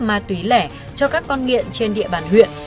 ma túy lẻ cho các con nghiện trên địa bàn huyện